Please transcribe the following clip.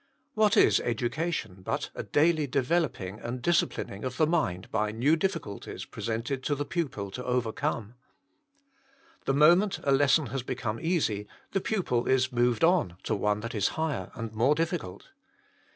What is education but a daily developing and disciplining of tbe mind by new difficulties presented to the pupil to overcome ? The moment a lesson has become easy, the pupil is moved on to one that is higher and more difficult.